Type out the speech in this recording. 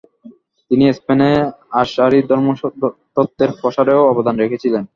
তিনি স্পেনে আশআরি ধর্মতত্ত্বের প্রসারেও অবদান রেখেছিলেন।